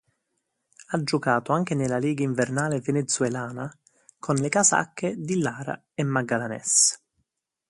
Ha giocato anche nella lega invernale venezuelana con le casacche di Lara e Magallanes.